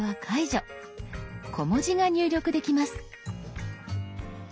小文字が入力できます。